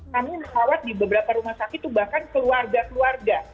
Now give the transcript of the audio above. kami mengkhawat di beberapa rumah sakit bahkan keluarga keluarga